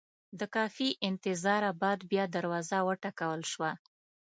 د کافي انتظاره بعد بیا دروازه وټکول شوه.